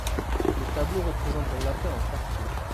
Le tableau représente un lapin en quartier.